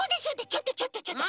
ちょっとちょっとちょっと！